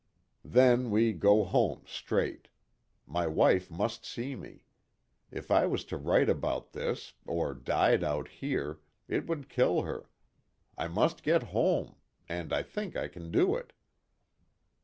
Then we go home, straight. My wife must see me. If I was to write about this, or died out here, it would kill her. I must get home, and I think I can do it."